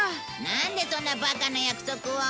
なんでそんなバカな約束を